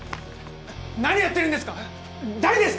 何やってるんですか誰ですか？